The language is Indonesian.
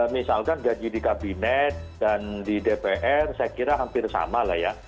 misalkan gaji di kabinet dan di dpr saya kira hampir sama lah ya